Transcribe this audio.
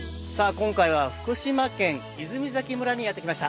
今回は福島県泉崎村にやってきました